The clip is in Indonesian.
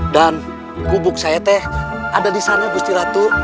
dan gubuk saya teh ada di sana gusti ratu